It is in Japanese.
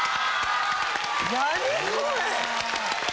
・何これ？